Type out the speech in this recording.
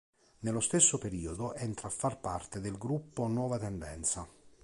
Nello stesso periodo, entra a far parte del gruppo "Nuova Tendenza".